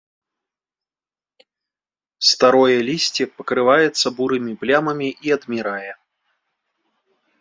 Старое лісце пакрываецца бурымі плямамі і адмірае.